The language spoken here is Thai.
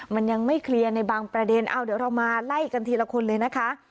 มันยังไม่เคลียร์ในบางประเด็นเอาเดี๋ยวเรามาไล่กันทีละคนเลยนะคะ